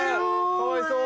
かわいそう。